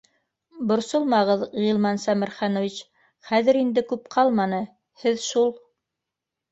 — Борсолмағыҙ, Ғилман Сәмерханович, хәҙер инде күп ҡалманы, һеҙ шул